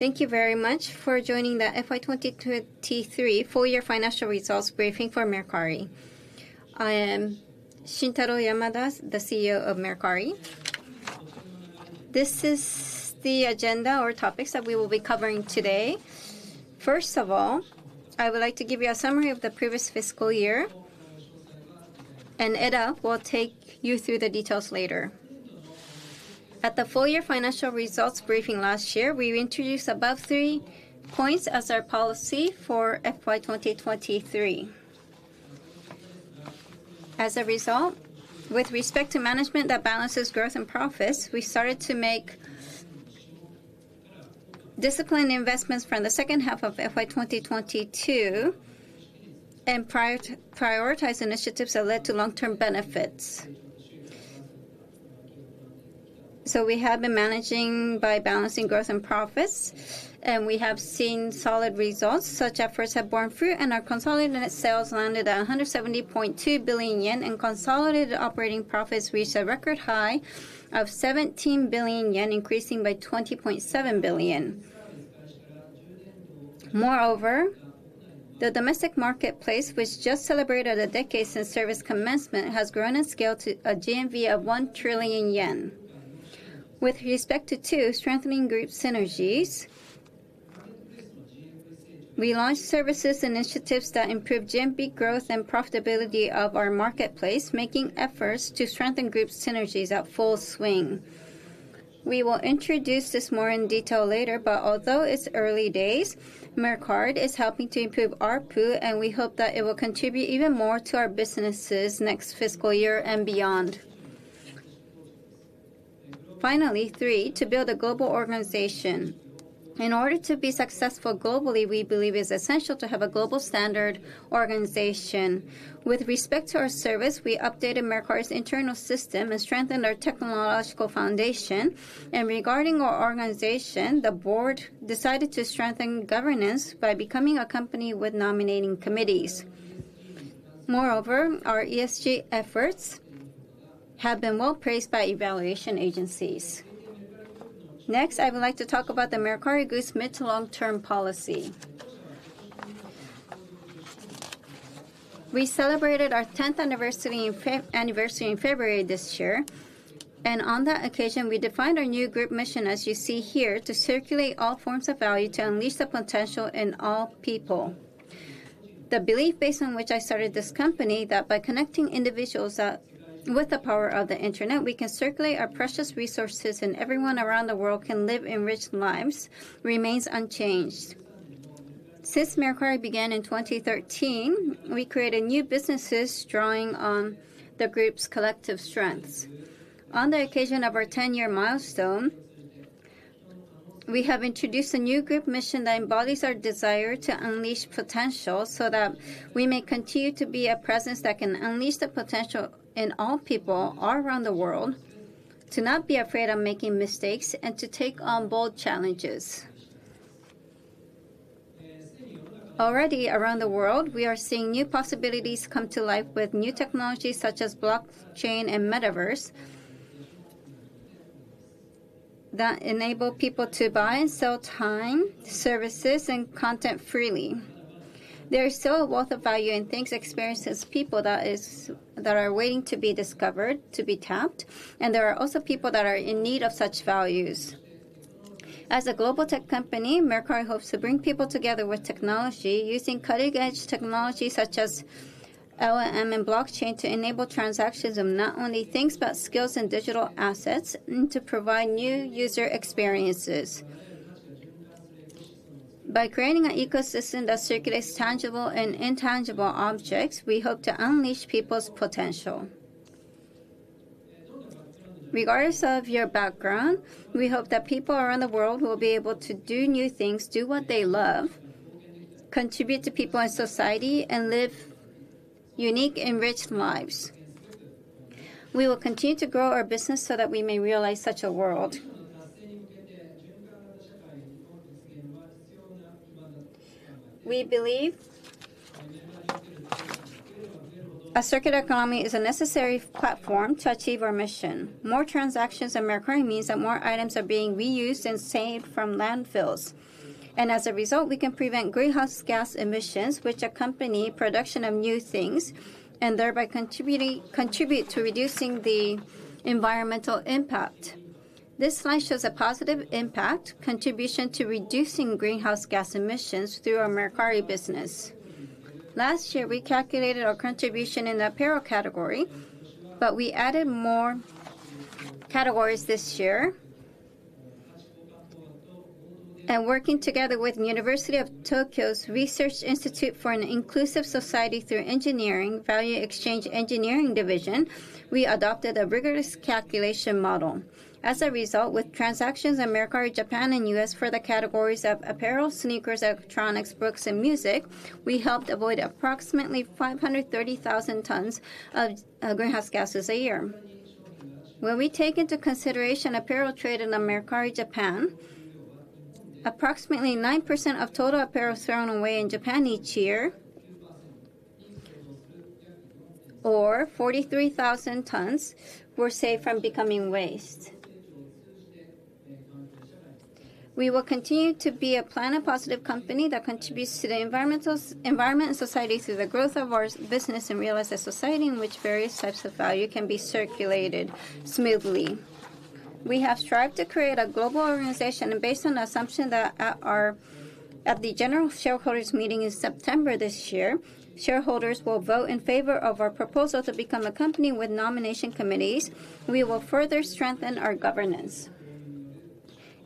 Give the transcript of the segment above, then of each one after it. Thank you very much for joining the FY 2023 full year financial results briefing for Mercari. I am Shintaro Yamada, the CEO of Mercari. This is the agenda or topics that we will be covering today. First of all, I would like to give you a summary of the previous fiscal year, and Eda will take you through the details later. At the full year financial results briefing last year, we introduced above three points as our policy for FY 2023. As a result, with respect to management that balances growth and profits, we started to make disciplined investments from the second half of FY 2022, and prioritize initiatives that led to long-term benefits. We have been managing by balancing growth and profits, and we have seen solid results. Such efforts have borne fruit, and our consolidated sales landed at 170.2 billion yen, and consolidated operating profits reached a record high of 17 billion yen, increasing by 20.7 billion. The domestic marketplace, which just celebrated a decade since service commencement, has grown in scale to a GMV of 1 trillion yen. With respect to 2, strengthening group synergies, we launched services initiatives that improved GMV growth and profitability of our marketplace, making efforts to strengthen group synergies at full swing. We will introduce this more in detail later, but although it's early days, Mercard is helping to improve ARPU, and we hope that it will contribute even more to our businesses next fiscal year and beyond. Finally, 3, to build a global organization. In order to be successful globally, we believe it's essential to have a global standard organization. With respect to our service, we updated Mercari's internal system and strengthened our technological foundation. Regarding our organization, the board decided to strengthen governance by becoming a company with nominating committees. Moreover, our ESG efforts have been well praised by evaluation agencies. Next, I would like to talk about the Mercari Group's mid to long-term policy. We celebrated our 10th anniversary in February this year, and on that occasion, we defined our new group mission, as you see here, to circulate all forms of value to unleash the potential in all people. The belief based on which I started this company, that by connecting individuals with the power of the internet, we can circulate our precious resources, and everyone around the world can live enriched lives, remains unchanged. Since Mercari began in 2013, we created new businesses drawing on the group's collective strengths. On the occasion of our 10-year milestone, we have introduced a new group mission that embodies our desire to unleash potential, so that we may continue to be a presence that can unleash the potential in all people all around the world, to not be afraid of making mistakes, and to take on bold challenges. Already around the world, we are seeing new possibilities come to life with new technologies such as blockchain and metaverse, that enable people to buy and sell time, services, and content freely. There is still a wealth of value in things, experiences, people that are waiting to be discovered, to be tapped, and there are also people that are in need of such values. As a global tech company, Mercari hopes to bring people together with technology, using cutting-edge technology such as LLM and blockchain to enable transactions of not only things, but skills and digital assets, and to provide new user experiences. By creating an ecosystem that circulates tangible and intangible objects, we hope to unleash people's potential. Regardless of your background, we hope that people around the world will be able to do new things, do what they love, contribute to people and society, and live unique and rich lives. We will continue to grow our business so that we may realize such a world. We believe a circular economy is a necessary platform to achieve our mission. More transactions on Mercari means that more items are being reused and saved from landfills. As a result, we can prevent greenhouse gas emissions, which accompany production of new things, and thereby contribute to reducing the environmental impact. This slide shows a positive impact contribution to reducing greenhouse gas emissions through our Mercari business. Last year, we calculated our contribution in the apparel category, but we added more categories this year. Working together with The University of Tokyo's Research Institute for an Inclusive Society through Engineering, Value Exchange Engineering Division, we adopted a rigorous calculation model. As a result, with transactions on Mercari Japan and U.S. for the categories of apparel, sneakers, electronics, books, and music, we helped avoid approximately 530,000 tons of greenhouse gases a year. When we take into consideration apparel trade in the Mercari Japan, approximately 9% of total apparel thrown away in Japan each year or 43,000 tons were saved from becoming waste. We will continue to be a planet positive company that contributes to the environment and society through the growth of our business, and realize a society in which various types of value can be circulated smoothly. We have strived to create a global organization. Based on the assumption that at the general shareholders meeting in September this year, shareholders will vote in favor of our proposal to become a company with nomination committees, we will further strengthen our governance.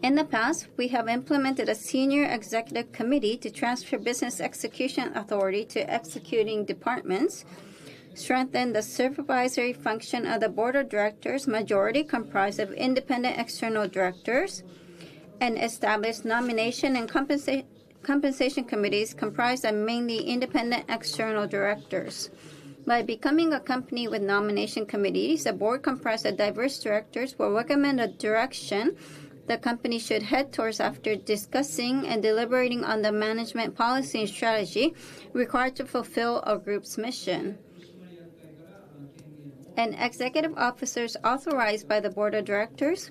In the past, we have implemented a senior executive committee to transfer business execution authority to executing departments, strengthen the supervisory function of the board of directors, majority comprised of independent external directors, and establish nomination and compensation committees comprised of mainly independent external directors. By becoming a company with nomination committees, a board comprised of diverse directors will recommend a direction the company should head towards after discussing and deliberating on the management policy and strategy required to fulfill our group's mission. Executive officers authorized by the board of directors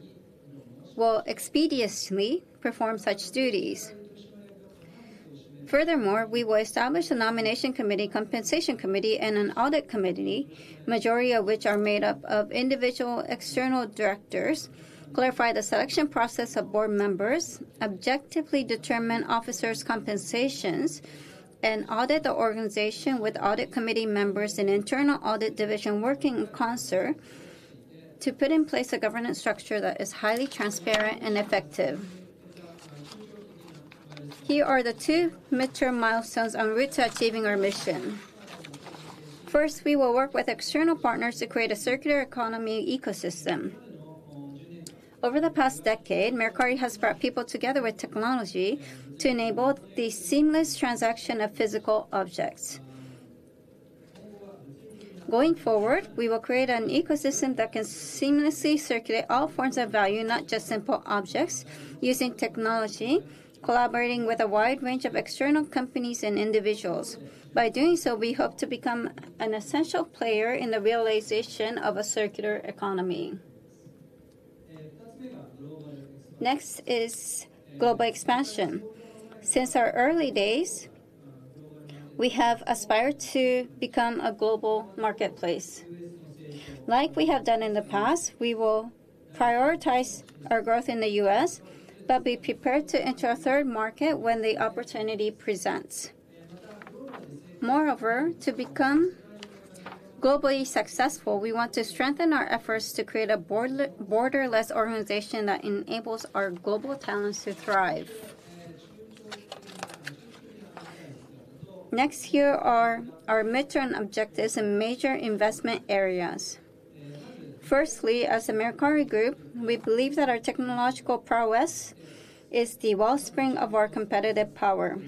will expeditiously perform such duties. Furthermore, we will establish a nomination committee, compensation committee, and an audit committee, majority of which are made up of individual external directors, clarify the selection process of board members, objectively determine officers' compensations, and audit the organization with audit committee members and internal audit division working in concert to put in place a governance structure that is highly transparent and effective. Here are the two midterm milestones en route to achieving our mission. First, we will work with external partners to create a circular economy ecosystem. Over the past decade, Mercari has brought people together with technology to enable the seamless transaction of physical objects. Going forward, we will create an ecosystem that can seamlessly circulate all forms of value, not just simple objects, using technology, collaborating with a wide range of external companies and individuals. By doing so, we hope to become an essential player in the realization of a circular economy. Next is global expansion. Since our early days, we have aspired to become a global marketplace. Like we have done in the past, we will prioritize our growth in the U.S., but be prepared to enter a third market when the opportunity presents. Moreover, to become globally successful, we want to strengthen our efforts to create a borderless organization that enables our global talents to thrive. Next, here are our midterm objectives and major investment areas. Firstly, as a Mercari Group, we believe that our technological prowess is the wellspring of our competitive power.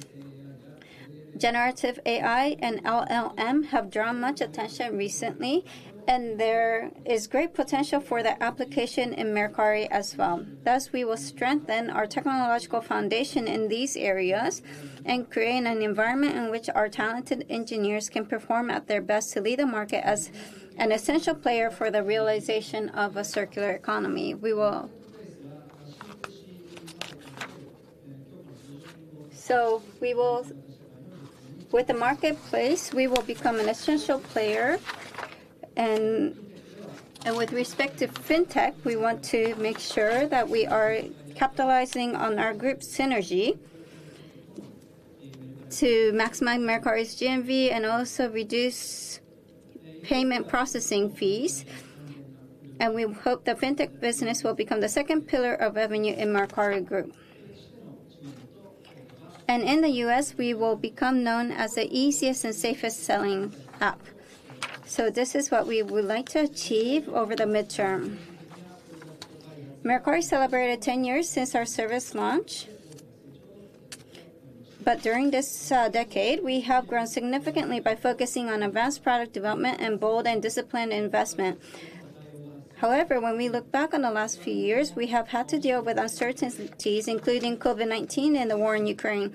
Generative AI and LLM have drawn much attention recently, and there is great potential for their application in Mercari as well. Thus, we will strengthen our technological foundation in these areas and create an environment in which our talented engineers can perform at their best to lead the market as an essential player for the realization of a circular economy. We will, with the marketplace, we will become an essential player. With respect to FinTech, we want to make sure that we are capitalizing on our group synergy to maximize Mercari's GMV, and also reduce payment processing fees. We hope the FinTech business will become the second pillar of revenue in Mercari Group. In the U.S., we will become known as the easiest and safest selling app. This is what we would like to achieve over the midterm. Mercari celebrated 10 years since our service launch, during this decade, we have grown significantly by focusing on advanced product development and bold and disciplined investment. When we look back on the last few years, we have had to deal with uncertainties, including COVID-19 and the war in Ukraine,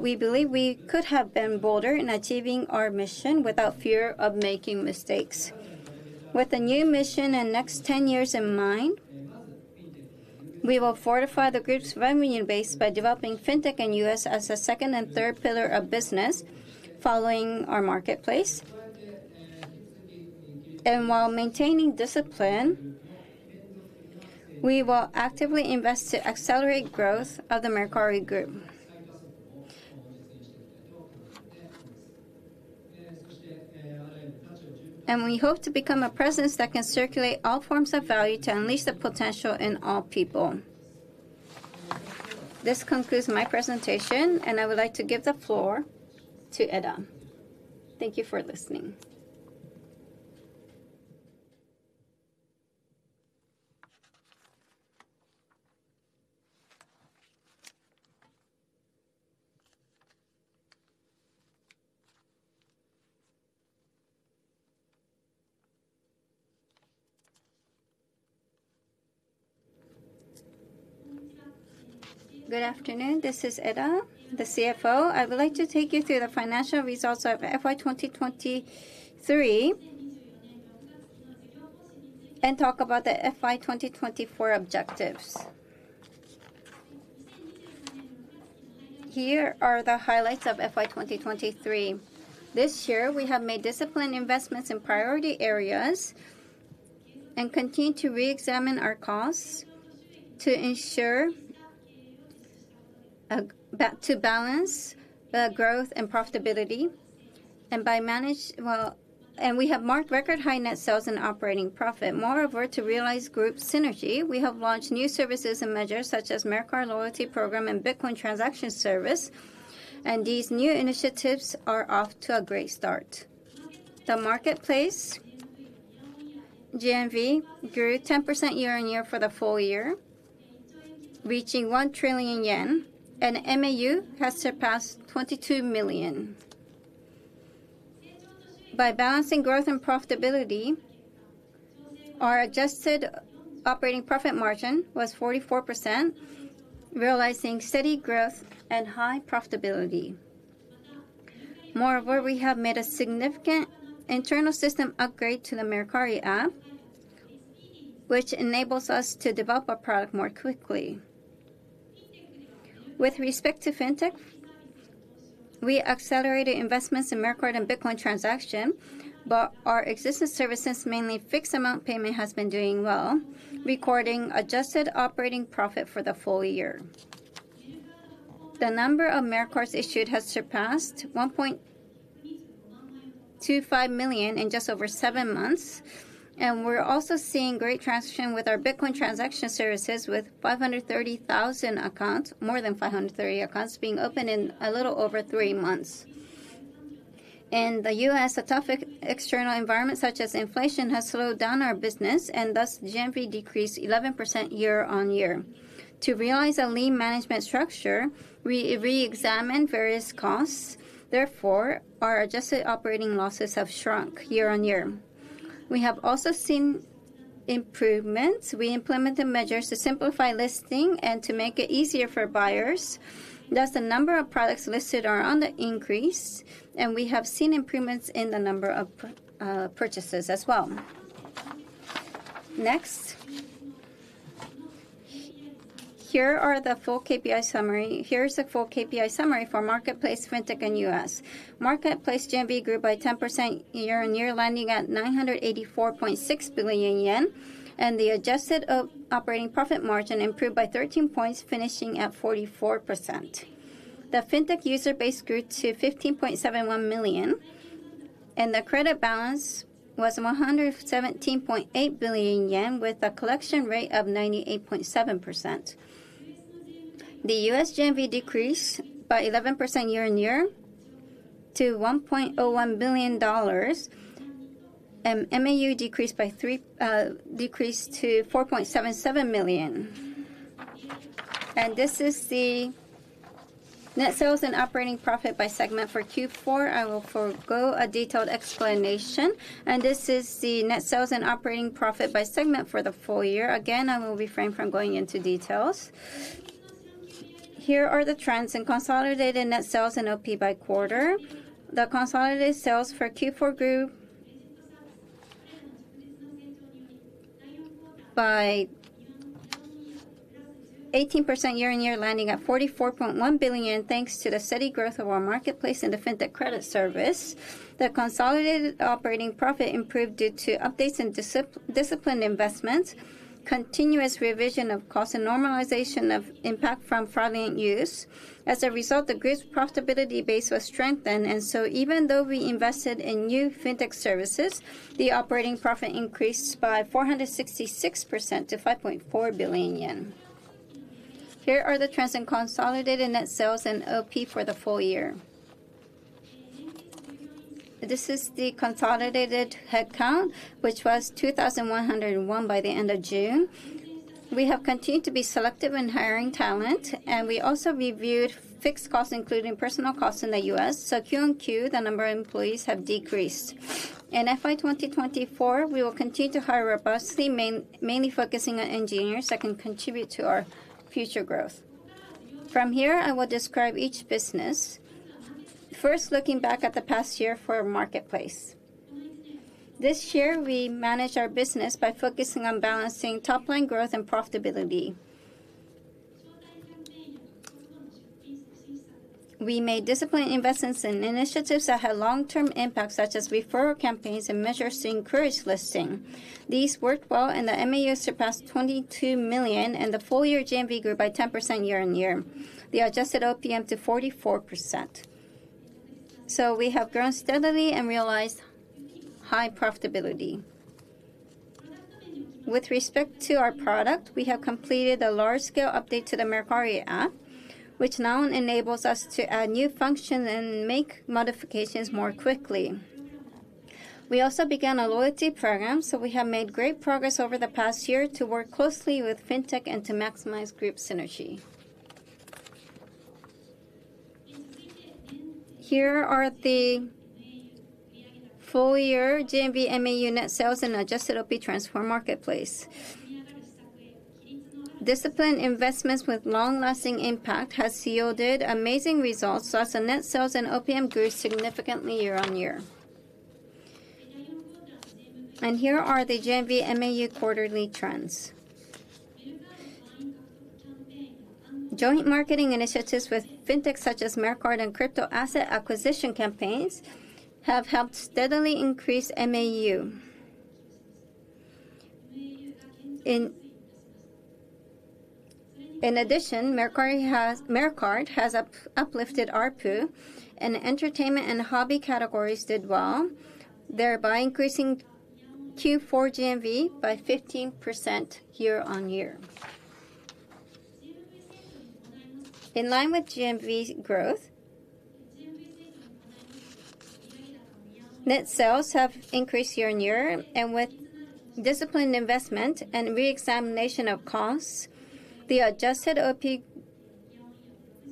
we believe we could have been bolder in achieving our mission without fear of making mistakes. With the new mission and next 10 years in mind, we will fortify the group's revenue base by developing FinTech in U.S. as a second and third pillar of business, following our marketplace. While maintaining discipline, we will actively invest to accelerate growth of the Mercari Group. We hope to become a presence that can circulate all forms of value to unleash the potential in all people. This concludes my presentation. I would like to give the floor to Eda. Thank afternoon. This is Eda, the CFO. I would like to take you through the financial results of FY 2023, and talk about the FY 2024 objectives. Here are the highlights of FY 2023. This year, we have made disciplined investments in priority areas and continued to reexamine our costs to ensure to balance growth and profitability. We have marked record high net sales and operating profit. Moreover, to realize group synergy, we have launched new services and measures such as Mercari Loyalty Program and Bitcoin transaction service, and these new initiatives are off to a great start. The marketplace GMV grew 10% year-on-year for the full year, reaching 1 trillion yen, and MAU has surpassed 22 million. By balancing growth and profitability, our adjusted operating profit margin was 44%, realizing steady growth and high profitability. Moreover, we have made a significant internal system upgrade to the Mercari app, which enables us to develop our product more quickly. With respect to FinTech, we accelerated investments in Mercari and Bitcoin transaction, but our existing services, mainly fixed-amount payment, has been doing well, recording adjusted operating profit for the full year. The number of Mercards issued has surpassed 1.25 million in just over seven months, and we're also seeing great traction with our Bitcoin transaction services, with 530,000 accounts, more than 530 accounts, being opened in a little over three months. In the U.S., a tough external environment, such as inflation, has slowed down our business, and thus, GMV decreased 11% year-on-year. To realize a lean management structure, we reexamined various costs. Our adjusted operating losses have shrunk year-on-year. We have also seen improvements. We implemented measures to simplify listing and to make it easier for buyers, thus the number of products listed are on the increase, and we have seen improvements in the number of purchases as well. Here are the full KPI summary. Here is the full KPI summary for Marketplace, FinTech, and U.S. Marketplace GMV grew by 10% year-on-year, landing at 984.6 billion yen, and the adjusted operating profit margin improved by 13 points, finishing at 44%. The FinTech user base grew to 15.71 million, and the credit balance was 117.8 billion yen, with a collection rate of 98.7%. The U.S. GMV decreased by 11% year-on-year to $1.01 billion, and MAU decreased to 4.77 million. This is the net sales and operating profit by segment for Q4. I will forgo a detailed explanation. This is the net sales and operating profit by segment for the full year. Again, I will refrain from going into details. Here are the trends in consolidated net sales and OP by quarter. The consolidated sales for Q4 grew by 18% year-on-year, landing at 44.1 billion, thanks to the steady growth of our marketplace and the FinTech credit service. The consolidated operating profit improved due to updates and disciplined investments, continuous revision of cost, and normalization of impact from fraudulent use. As a result, the group's profitability base was strengthened, even though we invested in new FinTech services, the operating profit increased by 466% to 5.4 billion yen. Here are the trends in consolidated net sales and OP for the full year. This is the consolidated headcount, which was 2,101 by the end of June. We have continued to be selective in hiring talent, and we also reviewed fixed costs, including personal costs in the U.S. Q on Q, the number of employees have decreased. In FY 2024, we will continue to hire robustly, mainly focusing on engineers that can contribute to our future growth. From here, I will describe each business. First, looking back at the past year for our marketplace. This year, we managed our business by focusing on balancing top-line growth and profitability. We made disciplined investments in initiatives that had long-term impact, such as referral campaigns and measures to encourage listing. These worked well, and the MAU surpassed 22 million, and the full-year GMV grew by 10% year-on-year. We adjusted OPM to 44%. We have grown steadily and realized high profitability. With respect to our product, we have completed a large-scale update to the Mercari app, which now enables us to add new functions and make modifications more quickly. We also began a loyalty program. We have made great progress over the past year to work closely with FinTech and to maximize group synergy. Here are the full year GMV, MAU, net sales, and adjusted OPI transfer marketplace. Disciplined investments with long-lasting impact has yielded amazing results, thus the net sales and OPM grew significantly year-on-year. Here are the GMV, MAU quarterly trends. Joint marketing initiatives with FinTech such as Mercari and crypto asset acquisition campaigns have helped steadily increase MAU. In addition, Mercari has uplifted ARPU, and entertainment and hobby categories did well, thereby increasing Q4 GMV by 15% year-on-year. In line with GMV's growth, net sales have increased year-on-year, and with disciplined investment and re-examination of costs, the adjusted OPI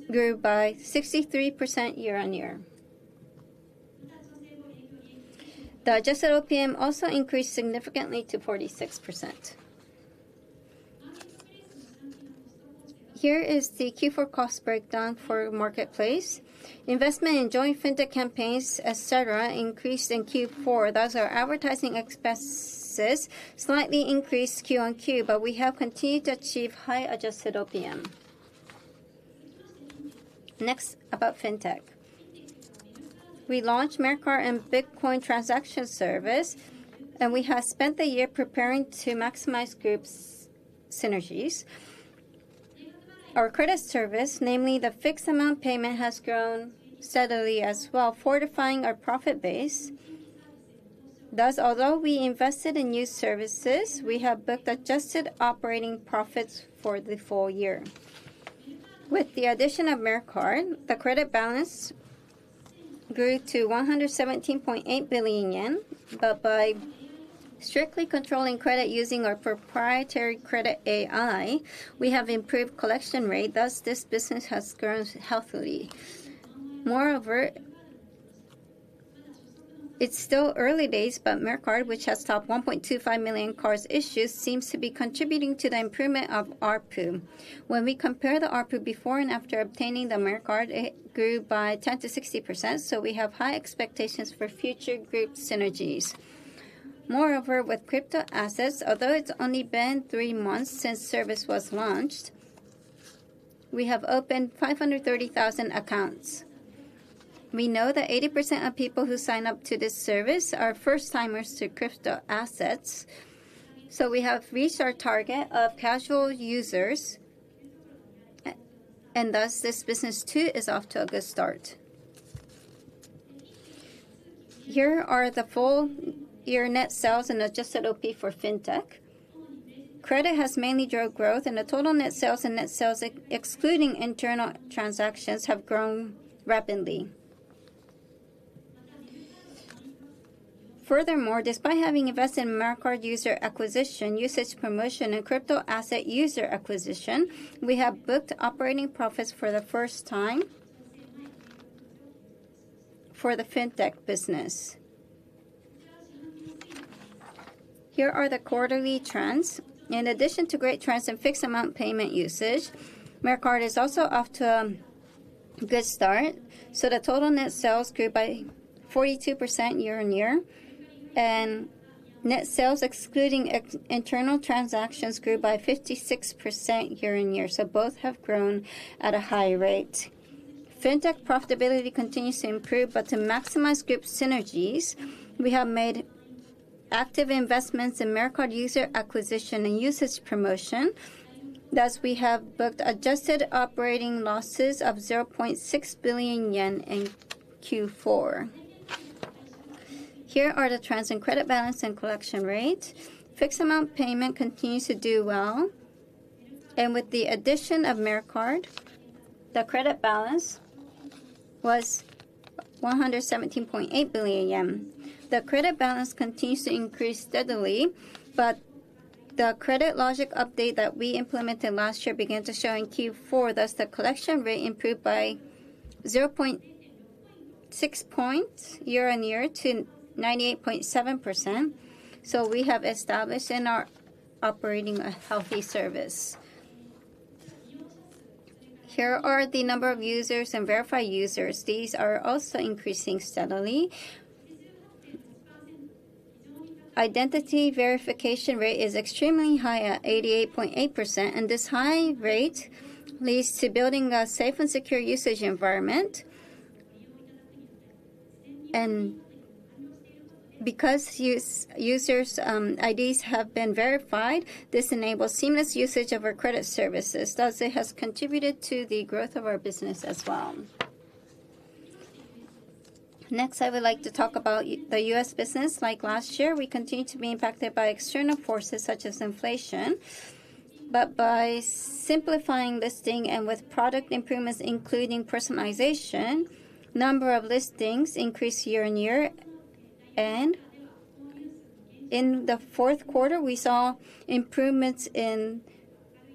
grew by 63% year-on-year. The adjusted OPM also increased significantly to 46%. Here is the Q4 cost breakdown for marketplace. Investment in joint FinTech campaigns, et cetera, increased in Q4. Thus, our advertising expenses slightly increased Q-on-Q, but we have continued to achieve high adjusted OPM. Next, about FinTech. We launched Mercari's Bitcoin transaction service, and we have spent the year preparing to maximize group synergies. Our credit service, namely the fixed-amount payment, has grown steadily as well, fortifying our profit base. Although we invested in new services, we have booked adjusted operating profits for the full year. With the addition of Mercard, the credit balance grew to 117.8 billion yen, but by strictly controlling credit using our proprietary credit AI, we have improved collection rate, thus, this business has grown healthily. Moreover, it's still early days, but Mercard, which has topped 1.25 million cards issued, seems to be contributing to the improvement of ARPU. When we compare the ARPU before and after obtaining the Mercard, it grew by 10%–60%, so we have high expectations for future group synergies. Moreover, with crypto assets, although it's only been 3 months since service was launched, we have opened 530,000 accounts. We know that 80% of people who sign up to this service are first-timers to crypto assets, and thus, this business, too, is off to a good start. Here are the full year net sales and adjusted OPI for FinTech. Credit has mainly drove growth, and the total net sales and net sales excluding internal transactions have grown rapidly. Furthermore, despite having invested in Mercari user acquisition, usage promotion, and crypto asset user acquisition, we have booked operating profits for the first time for the FinTech business. Here are the quarterly trends. In addition to great trends in fixed-amount payment usage, Mercari is also off to a good start, the total net sales grew by 42% year-on-year, and net sales, excluding ex- internal transactions, grew by 56% year-on-year. Both have grown at a high rate. FinTech profitability continues to improve, to maximize group synergies, we have made active investments in Mercari user acquisition and usage promotion. Thus, we have booked adjusted operating losses of 0.6 billion yen in Q4. Here are the trends in credit balance and collection rate. Fixed-amount payment continues to do well, and with the addition of Mercari, the credit balance was 117.8 billion yen. The credit balance continues to increase steadily, the credit logic update that we implemented last year began to show in Q4. Thus, the collection rate improved by 0.6 points year-on-year to 98.7%. We have established in our operating a healthy service. Here are the number of users and verified users. These are also increasing steadily. Identity verification rate is extremely high at 88.8%, and this high rate leads to building a safe and secure usage environment. Because users' IDs have been verified, this enables seamless usage of our credit services, thus it has contributed to the growth of our business as well. I would like to talk about the U.S. business. Like last year, we continue to be impacted by external forces such as inflation, by simplifying listing and with product improvements, including personalization, number of listings increased year-on-year. In the Q4, we saw improvements in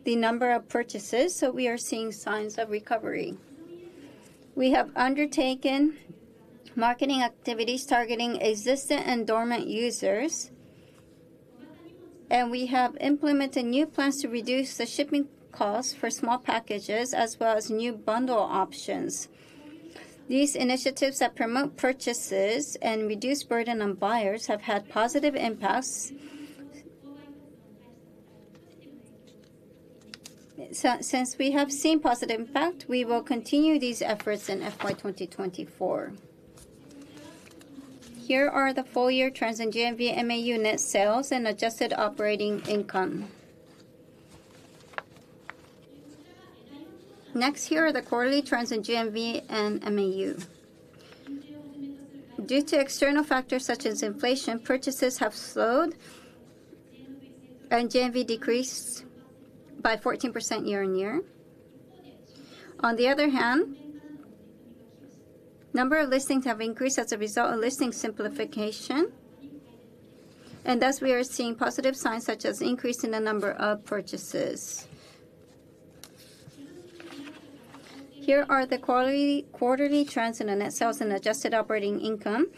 the number of purchases. We are seeing signs of recovery. We have undertaken marketing activities targeting existing and dormant users. We have implemented new plans to reduce the shipping costs for small packages, as well as new bundle options. These initiatives that promote purchases and reduce burden on buyers have had positive impacts. Since we have seen positive impact, we will continue these efforts in FY 2024. Here are the full year trends in GMV, MAU, net sales, and adjusted operating income. Here are the quarterly trends in GMV and MAU. Due to external factors such as inflation, purchases have slowed and GMV decreased by 14% year-on-year. On the other hand, number of listings have increased as a result of listing simplification, and thus we are seeing positive signs, such as increase in the number of purchases. Here are the quarterly, quarterly trends in the net sales and adjusted operating income.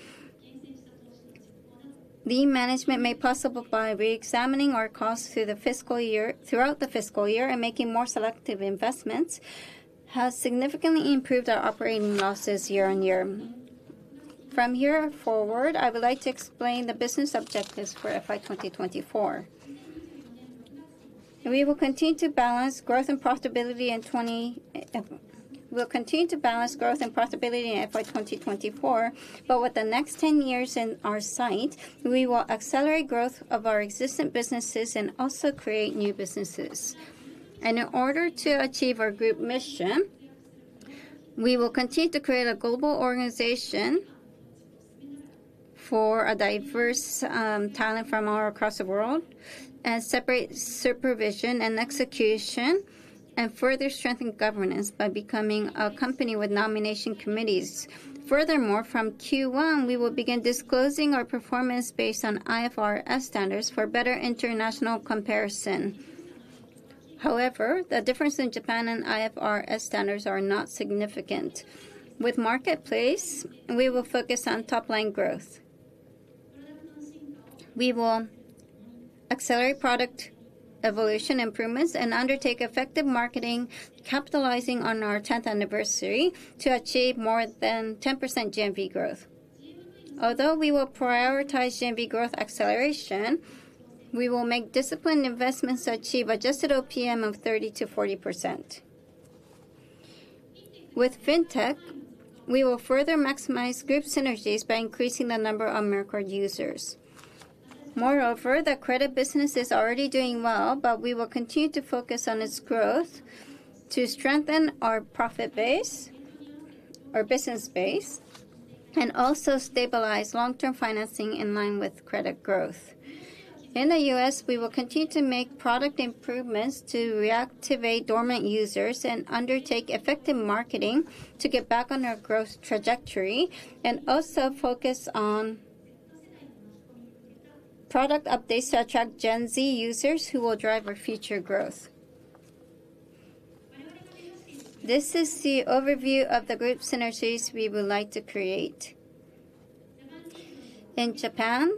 The management made possible by re-examining our costs throughout the fiscal year and making more selective investments, has significantly improved our operating losses year-on-year. From here forward, I would like to explain the business objectives for FY 2024. We'll continue to balance growth and profitability in FY 2024, but with the next 10 years in our sight, we will accelerate growth of our existing businesses and also create new businesses. In order to achieve our group mission, we will continue to create a global organization for a diverse talent from all across the world, and separate supervision and execution, and further strengthen governance by becoming a company with nomination committees. Furthermore, from Q1, we will begin disclosing our performance based on IFRS standards for better international comparison. However, the difference in Japan and IFRS standards are not significant. With Marketplace, we will focus on top-line growth. We will accelerate product evolution improvements and undertake effective marketing, capitalizing on our tenth anniversary, to achieve more than 10% GMV growth. Although we will prioritize GMV growth acceleration, we will make disciplined investments to achieve adjusted OPM of 30%–40%. With Fintech, we will further maximize group synergies by increasing the number of Mercari users. Moreover, the credit business is already doing well, but we will continue to focus on its growth to strengthen our profit base, our business base, and also stabilize long-term financing in line with credit growth. In the U.S., we will continue to make product improvements to reactivate dormant users and undertake effective marketing to get back on our growth trajectory, also focus on product updates to attract Gen Z users who will drive our future growth. This is the overview of the group synergies we would like to create. In Japan,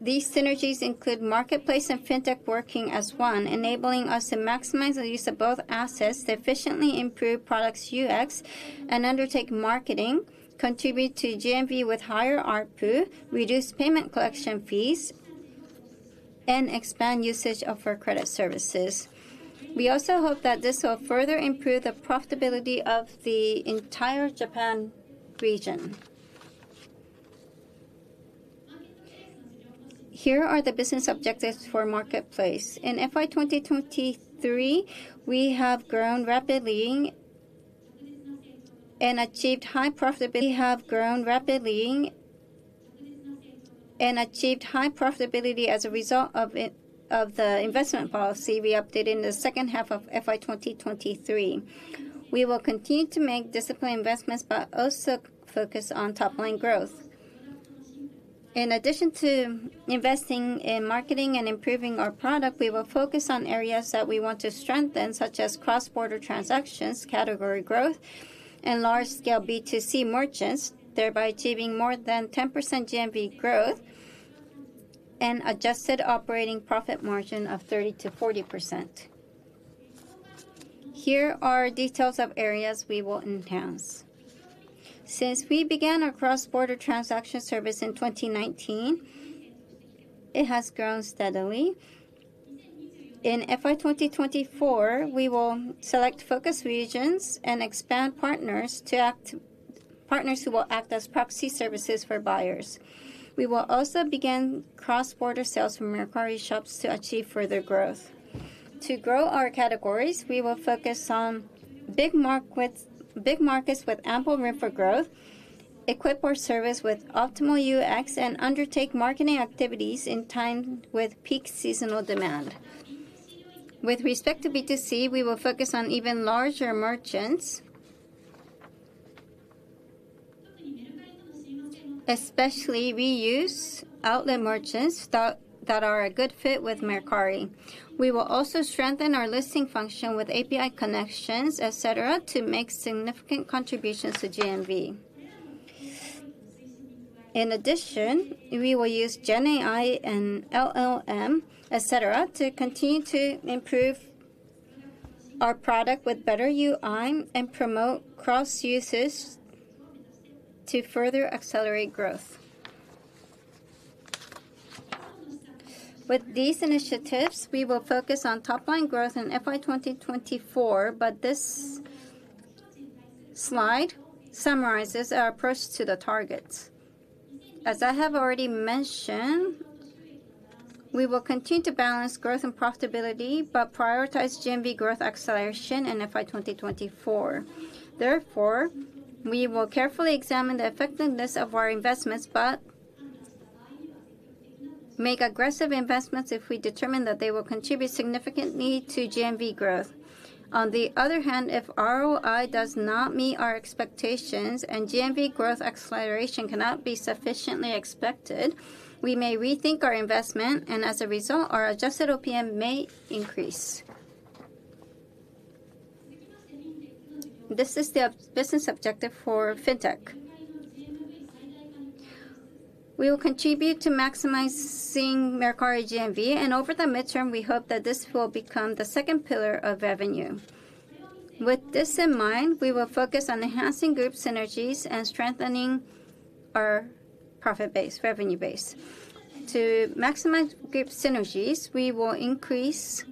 these synergies include Marketplace and FinTech working as one, enabling us to maximize the use of both assets to efficiently improve products' UX and undertake marketing, contribute to GMV with higher ARPU, reduce payment collection fees, expand usage of our credit services. We also hope that this will further improve the profitability of the entire Japan region. Here are the business objectives for Marketplace. In FY 2023, we have grown rapidly and achieved high profitability as a result of it, of the investment policy we updated in the second half of FY 2023. We will continue to make disciplined investments, but also focus on top-line growth. In addition to investing in marketing and improving our product, we will focus on areas that we want to strengthen, such as cross-border transactions, category growth, and large-scale B2C merchants, thereby achieving more than 10% GMV growth and adjusted operating profit margin of 30%–40%. Here are details of areas we will enhance. Since we began our cross-border transaction service in 2019, it has grown steadily. In FY 2024, we will select focus regions and expand partners who will act as proxy services for buyers. We will also begin cross-border sales from Mercari Shops to achieve further growth. To grow our categories, we will focus on big markets with ample room for growth, equip our service with optimal UX, and undertake marketing activities in time with peak seasonal demand. With respect to B2C, we will focus on even larger Especially, we use outlet merchants that are a good fit with Mercari. We will also strengthen our listing function with API connections, et cetera, to make significant contributions to GMV. In addition, we will use GenAI and LLM, et cetera, to continue to improve our product with better UI and promote cross-uses to further accelerate growth. With these initiatives, we will focus on top line growth in FY 2024, but this slide summarizes our approach to the targets. As I have already mentioned, we will continue to balance growth and profitability, but prioritize GMV growth acceleration in FY 2024. Therefore, we will carefully examine the effectiveness of our investments, but make aggressive investments if we determine that they will contribute significantly to GMV growth. On the other hand, if ROI does not meet our expectations and GMV growth acceleration cannot be sufficiently expected, we may rethink our investment, and as a result, our adjusted OPM may increase. This is the business objective for FinTech. We will contribute to maximizing Mercari GMV, and over the midterm, we hope that this will become the second pillar of revenue. With this in mind, we will focus on enhancing group synergies and strengthening our profit base, revenue base. To maximize group synergies, we will increase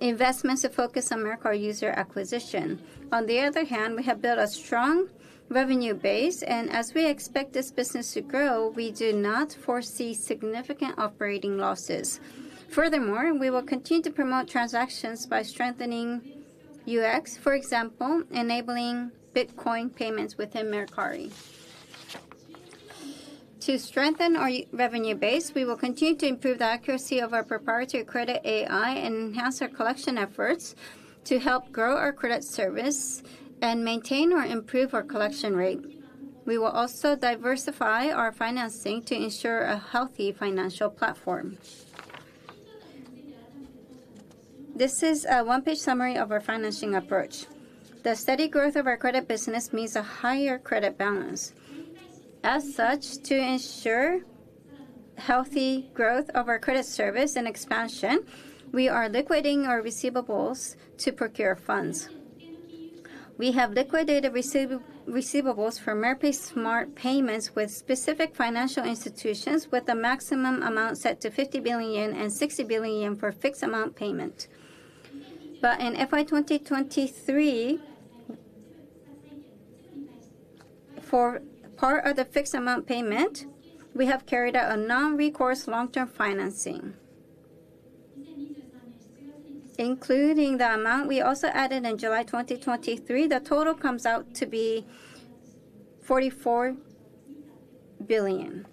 investments to focus on Mercari user acquisition. On the other hand, we have built a strong revenue base, and as we expect this business to grow, we do not foresee significant operating losses. Furthermore, we will continue to promote transactions by strengthening UX. For example, enabling Bitcoin payments within Mercari. To strengthen our revenue base, we will continue to improve the accuracy of our proprietary credit AI and enhance our collection efforts to help grow our credit service and maintain or improve our collection rate. We will also diversify our financing to ensure a healthy financial platform. This is a 1-page summary of our financing approach. The steady growth of our credit business means a higher credit balance. As such, to ensure healthy growth of our credit service and expansion, we are liquidating our receivables to procure funds. We have liquidated receivables from Merpay Smart Payments with specific financial institutions, with a maximum amount set to 50 billion yen and 60 billion yen for fixed-amount payment. In FY 2023, for part of the fixed-amount payment, we have carried out a non-recourse long-term financing. Including the amount we also added in July 2023, the total comes out to be 44 billion.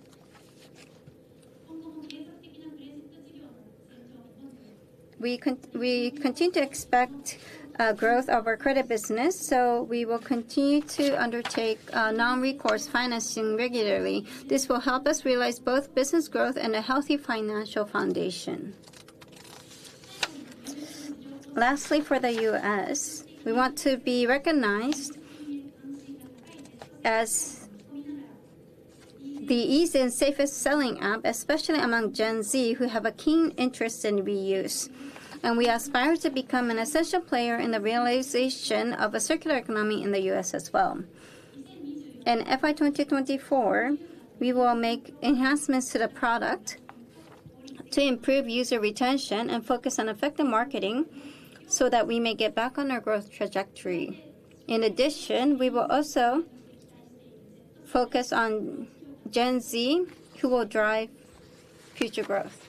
We continue to expect growth of our credit business, so we will continue to undertake non-recourse financing regularly. This will help us realize both business growth and a healthy financial foundation. Lastly, for the U.S., we want to be recognized as the easy and safest selling app, especially among Gen Z, who have a keen interest in reuse. We aspire to become an essential player in the realization of a circular economy in the U.S. as well. In FY 2024, we will make enhancements to the product to improve user retention and focus on effective marketing, so that we may get back on our growth trajectory. In addition, we will also focus on Gen Z, who will drive future growth.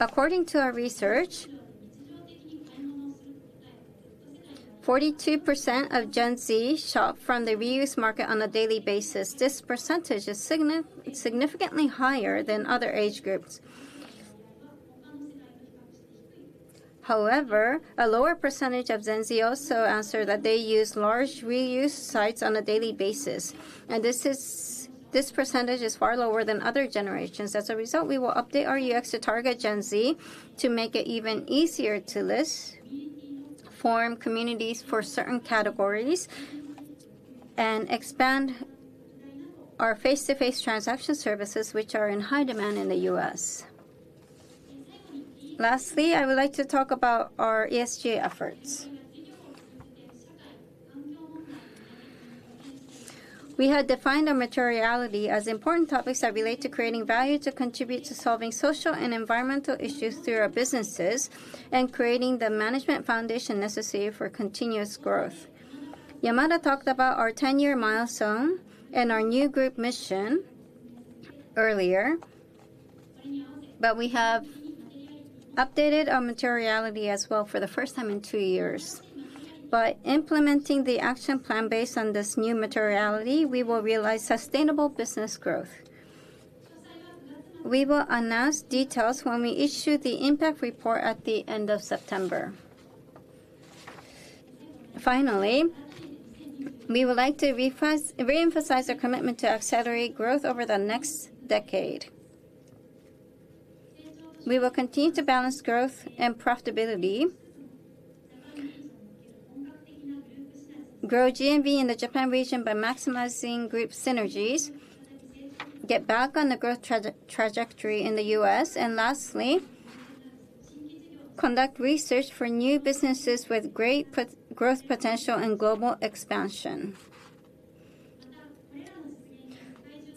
According to our research, 42% of Gen Z shop from the reuse market on a daily basis. This percentage is significantly higher than other age groups. However, a lower percentage of Gen Z also answer that they use large reuse sites on a daily basis, and this percentage is far lower than other generations. As a result, we will update our UX to target Gen Z to make it even easier to list, form communities for certain categories, and expand our face-to-face transaction services, which are in high demand in the U.S. Lastly, I would like to talk about our ESG efforts. We have defined our materiality as important topics that relate to creating value, to contribute to solving social and environmental issues through our businesses, and creating the management foundation necessary for continuous growth. Yamada talked about our 10-year milestone and our new group mission earlier. We have updated our materiality as well for the first time in 2 years. By implementing the action plan based on this new materiality, we will realize sustainable business growth. We will announce details when we issue the impact report at the end of September. Finally, we would like to re-emphasize our commitment to accelerate growth over the next decade. We will continue to balance growth and profitability, grow GMV in the Japan region by maximizing group synergies, get back on the growth trajectory in the U.S., and lastly, conduct research for new businesses with great growth potential and global expansion.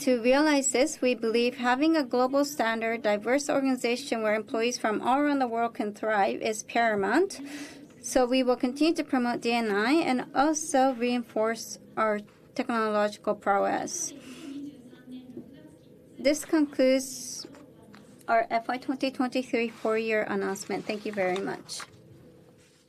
To realize this, we believe having a global standard, diverse organization where employees from all around the world can thrive is paramount. We will continue to promote D&I, and also reinforce our technological prowess. This concludes our FY 2023 full year announcement. Thank you very much.